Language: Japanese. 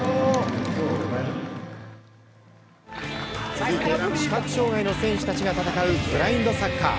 続いて視覚障害の選手たちが戦うブラインドサッカー。